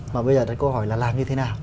mà bây giờ đặt câu hỏi là làm như thế nào